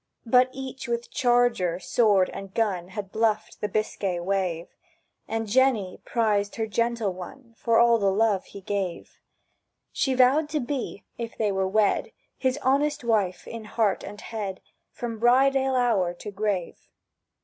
But each with charger, sword, and gun, Had bluffed the Biscay wave; And Jenny prized her gentle one For all the love he gave. She vowed to be, if they were wed, His honest wife in heart and head From bride ale hour to grave.